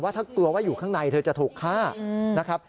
ว่าถ้าเกลียวว่าอยู่ข้างในเธอจะถูกฆ่า